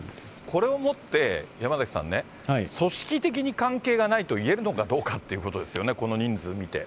これをもって山崎さんね、組織的に関係がないと言えるのかどうかということですよね、この人数見て。